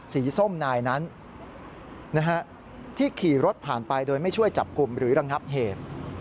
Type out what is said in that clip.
ส้มนายนั้นที่ขี่รถผ่านไปโดยไม่ช่วยจับกลุ่มหรือระงับเหตุ